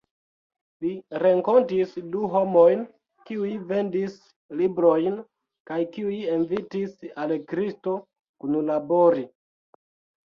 Li renkontis du homojn, kiuj vendis librojn, kaj kiuj invitis al Kristo kunlabori.